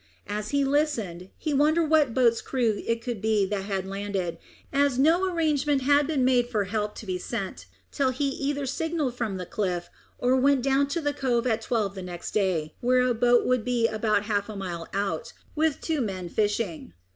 As he listened, he wondered what boat's crew it could be that had landed, as no arrangement had been made for any help to be sent till he either signalled from the cliff or went down to the cove at twelve the next day, where a boat would be about half a mile out, with two men in her fishing.